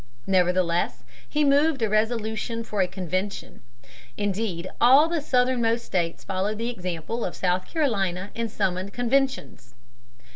Nevertheless he moved a resolution for a convention. Indeed, all the southernmost states followed the example of South Carolina and summoned conventions.